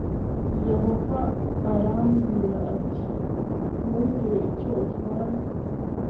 Yehova arambwira ati ‘ntugire icyo utwara